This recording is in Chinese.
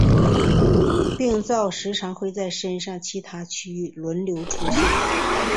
病灶时常会在身上其他区域轮流出现。